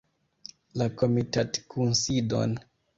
La komitatkunsidon!